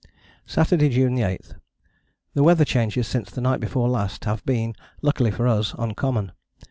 "Saturday, June 8. The weather changes since the night before last have been, luckily for us, uncommon.